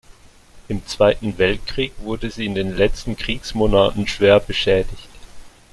Im Zweiten Weltkrieg wurde sie in den letzten Kriegsmonaten schwer beschädigt.